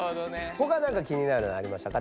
ほかなんか気になるのありましたか？